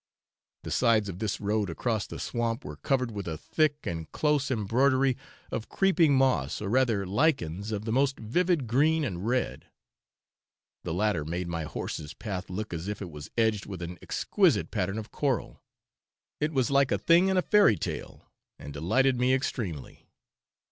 The sides of this road across the swamp were covered with a thick and close embroidery of creeping moss or rather lichens of the most vivid green and red: the latter made my horse's path look as if it was edged with an exquisite pattern of coral; it was like a thing in a fairy tale, and delighted me extremely.